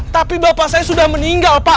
tapi bapak saya sudah meninggal pak